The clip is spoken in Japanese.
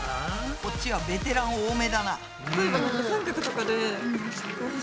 こっちはベテラン多めだな。